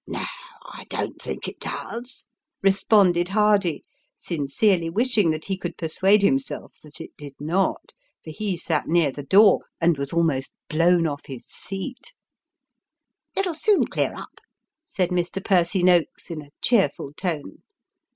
" No I don't think it does," responded Hardy, sincerely wishing that ho could persuade himself that it did not ; for he sat near the door, and was almost blown off his seat. JP1.2. The Wind gets up. 303 " It'll soon clear up," said Mr. Percy Noakes, in a cheerful tone.